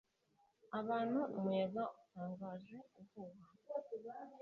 Abantu umuyaga utangaje uhuha